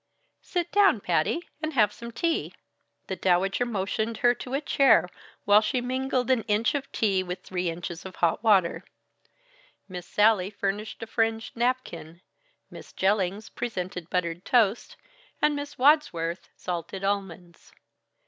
"Sit down, Patty, and have some tea." The Dowager motioned her to a chair, while she mingled an inch of tea with three inches of hot water. Miss Sallie furnished a fringed napkin, Miss Jellings presented buttered toast, and Miss Wadsworth, salted almonds.